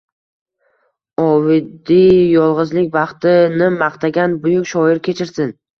Ovidiy “yolg’izlik baxti”ni maqtagan. Buyuk shoir kechirsin